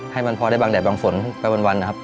ให้มันพอได้บางแดดบางฝนไปวันนะครับ